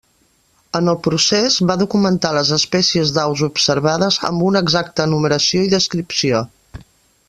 En el procés, va documentar les espècies d'aus observades amb una exacta enumeració i descripció.